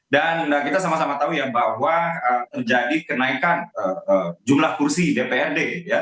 kita sama sama tahu ya bahwa terjadi kenaikan jumlah kursi dprd